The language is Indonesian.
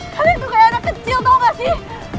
kalian tuh kayak anak kecil tau gak sih